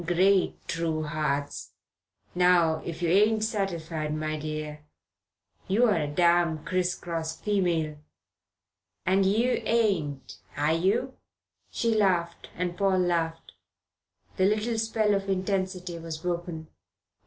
"Great true hearts! Now if you ain't satisfied, my dear, you're a damn criss cross female. And yer ain't, are yer?' She laughed and Paul laughed. The little spell of intensity was broken.